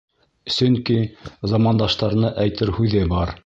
Сөнки замандаштарына әйтер һүҙе бар.